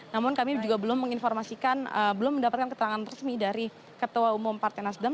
namun kami juga belum menginformasikan belum mendapatkan keterangan resmi dari ketua umum partai nasdem